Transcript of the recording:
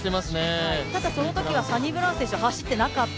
ただ、そのときはサニブラウン選手走ってなかった。